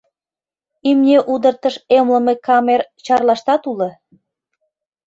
Имне удыртыш эмлыме камер Чарлаштат уло.